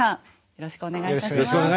よろしくお願いします。